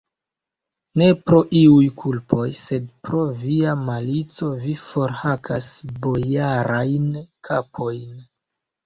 Ne pro iuj kulpoj, sed pro via malico vi forhakas bojarajn kapojn!